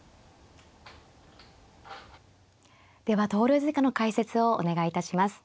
では投了図以下の解説をお願いいたします。